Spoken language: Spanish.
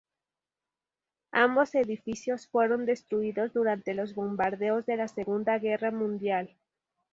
Ambos edificios fueron destruidos durante los bombardeos de la Segunda Guerra Mundial.